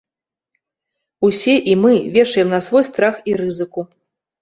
Усе, і мы, вешаем на свой страх і рызыку.